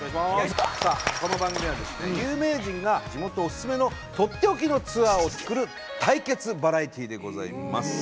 さあこの番組はですね有名人が地元おすすめのとっておきのツアーをつくる対決バラエティーでございます。